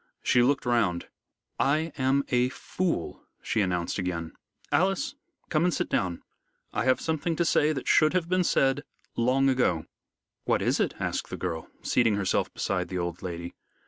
She looked round. "I am a fool," she announced again. "Alice, come and sit down. I have something to say that should have been said long ago." "What is it?" asked the girl, seating herself beside the old lady.